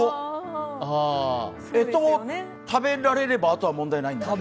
えとを食べられれば、あとは問題ないんですけど。